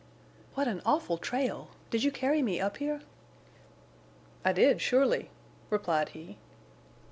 "What an awful trail! Did you carry me up here?" "I did, surely," replied he.